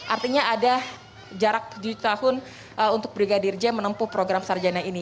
artinya ada jarak tujuh tahun untuk brigadir j menempuh program sarjana ini